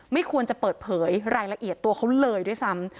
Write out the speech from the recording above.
ไม่ควรจะเปิดเผยรายละเอียดตัวเขาเลยด้วยซ้ำ